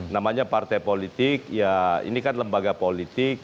namanya partai politik ya ini kan lembaga politik